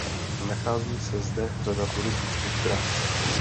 Nachází se zde řada turistických tras.